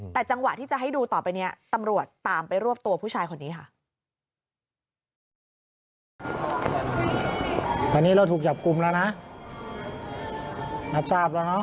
แต่จังหวะที่จะให้ดูต่อไปนี้ตำรวจตามไปรวบตัวผู้ชายคนนี้ค่ะ